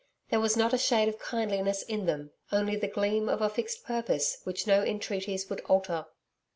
There was not a shade of kindliness in them, only the gleam of a fixed purpose which no entreaties would alter.